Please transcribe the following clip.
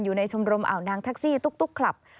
อยู่ในชมรมอ่าวนางแท็กซี่ตุ๊กคลับ